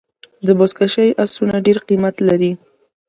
د بزکشۍ آسونه ډېر قیمت لري.